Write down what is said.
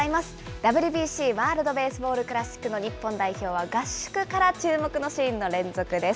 ＷＢＣ・ワールドベースボールクラシックの日本代表は合宿から注目のシーンの連続です。